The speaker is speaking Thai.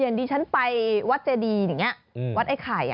ดิฉันไปวัดเจดีอย่างนี้วัดไอ้ไข่